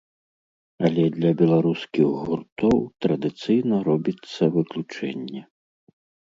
Але для беларускіх гуртоў традыцыйна робіцца выключэнне.